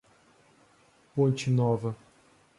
Ponte Nova